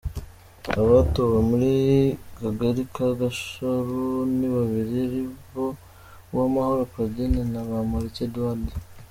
Abatowe muri Kagari ka Gasharu ni babiri aribo Uwamahoro Claudine na Bamporiki Edouard.